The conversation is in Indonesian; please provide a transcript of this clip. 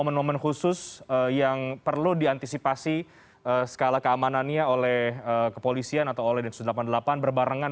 momen momen khusus yang perlu diantisipasi skala keamanannya oleh kepolisian atau oleh densus delapan puluh delapan berbarengan